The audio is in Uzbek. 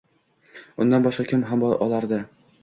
Undan boshqa kim ham olardi